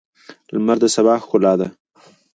لمر د سبا ښکلا ده.